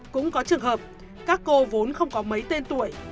cũng có trường hợp các cô vốn không có mấy tên tuổi